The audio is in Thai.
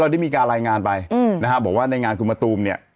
ได้มีการรายงานไปนะฮะบอกว่าในงานคุณมะตูมเนี่ย